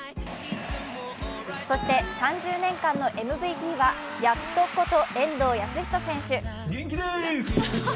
そして３０年間のＭＶＰはヤットこと遠藤保仁選手。